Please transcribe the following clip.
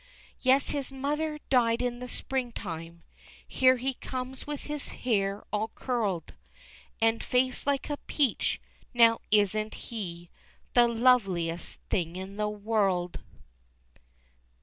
Yes, his mother died in the springtime Here he comes with his hair all curled And face like a peach now isn't he The loveliest thing in the world!